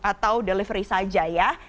atau delivery saja ya